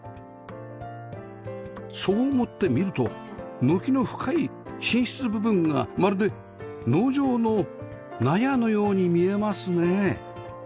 そう思って見ると軒の深い寝室部分がまるで農場の納屋のように見えますね